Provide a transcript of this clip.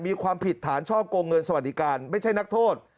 มีความผิดฐานช่อกงเงินสวัสดิการไม่ใช่นักโทษ